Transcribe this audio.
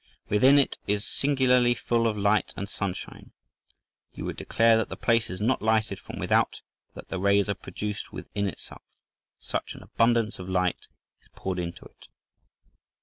Within it is singularly full of light and sunshine; you would declare that the place is not lighted from without, but that the rays are produced within itself, such an abundance of light is poured into it.